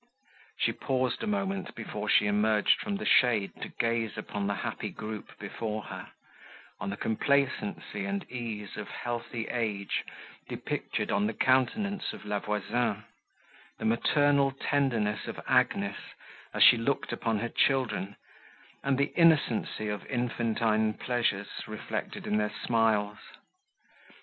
She paused a moment, before she emerged from the shade, to gaze upon the happy group before her—on the complacency and ease of healthy age, depictured on the countenance of La Voisin; the maternal tenderness of Agnes, as she looked upon her children, and the innocency of infantine pleasures, reflected in their smiles.